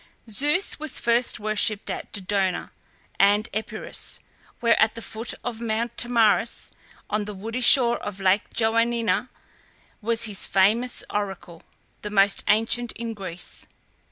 Zeus was first worshipped at Dodona in Epirus, where, at the foot of Mount Tomarus, on the woody shore of Lake Joanina, was his famous oracle, the most ancient in Greece.